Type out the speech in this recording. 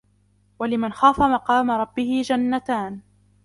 وَلِمَنْ خَافَ مَقَامَ رَبِّهِ جَنَّتَانِ